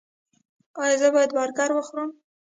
ایا زه باید برګر وخورم؟